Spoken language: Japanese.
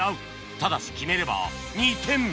ただし決めれば２点